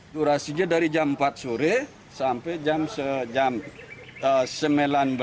durasinya dari jam empat sore sampai jam sembilan belas